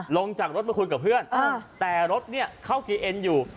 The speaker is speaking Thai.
ลงจากรถมาคุยกับเพื่อนแต่รถเนี่ยเข้ากีเอ็นอยู่